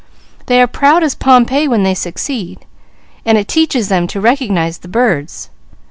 They are proud as Pompey when they succeed; and it teaches them to recognize the birds.